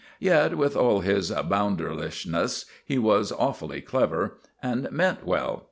Yet, with all his bounderishness, he was awfully clever, and meant well.